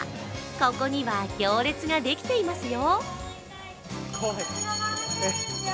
ここには行列ができていますよ。